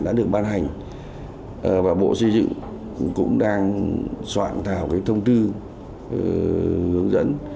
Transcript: đã được ban hành và bộ xây dựng cũng đang soạn thảo thông tư hướng dẫn